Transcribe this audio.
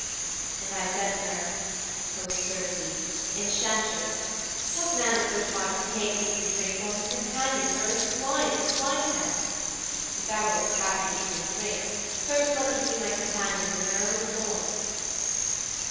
"' 'And I said to her, "O Circe, Enchantress, what man of good heart could take meat and drink while his companions are as swine in swine pens? If thou wouldst have me eat and drink, first let me see my companions in their own forms."'